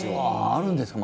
あるんですか？